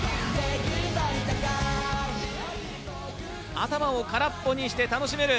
頭を空っぽにして楽しめる。